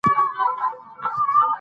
پارلمان د خلکو استازیتوب کوي